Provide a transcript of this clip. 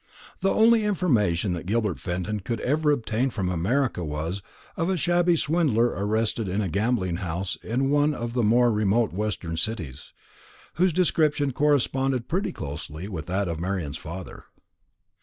The only information that Gilbert Fenton could ever obtain from America was, of a shabby swindler arrested in a gambling house in one of the more remote western cities, whose description corresponded pretty closely with that of Marian's father.